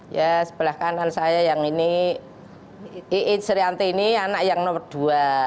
ya sebelah kanan saya yang ini iin sriantini anak yang nomor dua